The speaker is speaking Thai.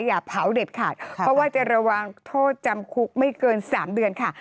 อย่าเผาเด็ดขาดเพราะว่าจะระวังโทษจำคุกไม่เกิน๓เดือนค่ะ